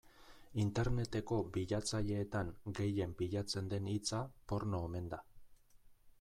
Interneteko bilatzaileetan gehien bilatzen den hitza porno omen da.